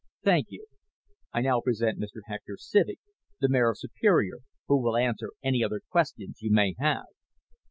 Thank you. I now present Mr. Hector Civek, the mayor of Superior, who will answer any other questions you may have."